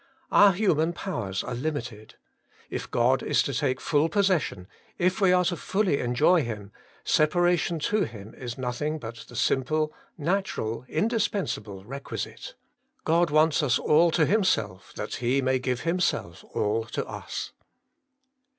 Our human powers are limited ; if God is to take full possession, if we are fully to enjoy Him, separation to Him is nothing but the simple, natural, indispensable requisite. God wants us all to Himself, that He may give Himself all to us.